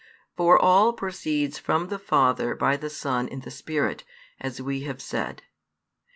For all proceeds from the Father by the Son in the Spirit, as we have said.